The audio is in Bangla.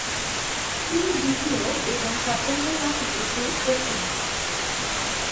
তিনি দ্বিতীয় এবং সত্যেন্দ্রনাথ বসু প্রথম হন।